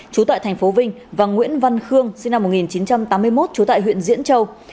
trú tại thành phố vinh và nguyễn văn khương sinh năm một nghìn chín trăm tám mươi một trú tại huyện diễn châu